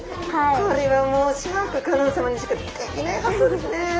これはもうシャーク香音さまにしかできない発想ですね。